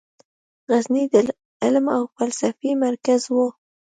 غزني د علم او فلسفې مرکز و.